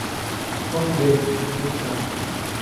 Rosbank, Neurodata